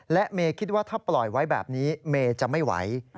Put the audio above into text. และเมย์คิดว่าถ้าปล่อยไว้แบบนี้เมย์จะไม่ไหว